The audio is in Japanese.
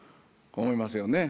思いますよね。